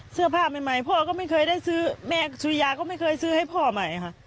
เสื้อผ้าใหม่พ่อก็ไม่เคยได้ซื้อแม่สุริยาก็ไม่เคยซื้อให้พ่อใหม่ค่ะ